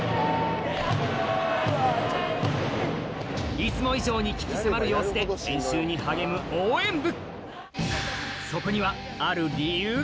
いつも以上に鬼気迫る様子で練習に励む応援部